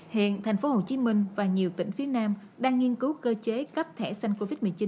hiện tp hcm và nhiều tỉnh phía nam đang nghiên cứu cơ chế cấp thẻ xanh covid một mươi chín